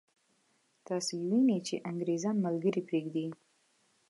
تاسو یې وینئ چې انګرېزان ملګري پرېږدي.